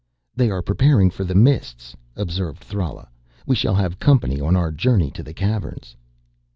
"They are preparing for the Mists," observed Thrala. "We shall have company on our journey to the Caverns."